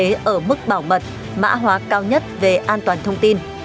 nó có mức bảo mật mã hóa cao nhất về an toàn thông tin